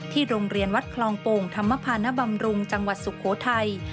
โรงเรียนวัดคลองโป่งธรรมภานบำรุงจังหวัดสุโขทัย